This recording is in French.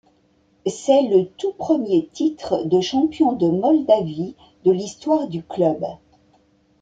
C'est le tout premier titre de champion de Moldavie de l'histoire du club.